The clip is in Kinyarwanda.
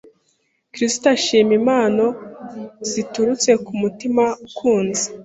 Kristo ashima impano ziturutse ku mutima ukunze.